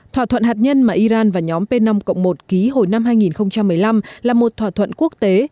thỏa thuận hạt nhân mà iran và nhóm p năm một ký hồi năm hai nghìn một mươi năm là một thỏa thuận quốc tế